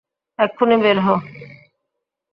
এক্ষুণি বের হও।